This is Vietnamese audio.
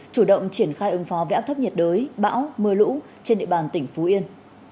chủ động triển khai ứng phó với áp thấp nhiệt đới bão mưa lũ trên địa bàn tỉnh phú yên